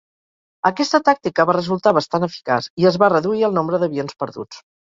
Aquesta tàctica va resultar bastant eficaç, i es va reduir el nombre d'avions perduts.